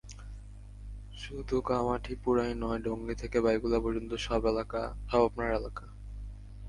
শুধু কামাঠিপুরাই নয়, ডংরি থেকে বাইকুল্লা পর্যন্ত সব আপানার এলাকা।